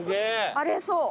あれそう。